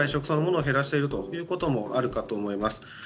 そのものを減らしていることもあると思います。